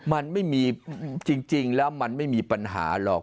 มันไม่มีจริงแล้วมันไม่มีปัญหาหรอก